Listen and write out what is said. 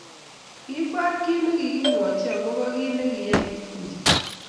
kiibwaat kiit nekikimwochi akobo kiit nekiyai Kifuja